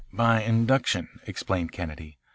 "By induction," explained Kennedy.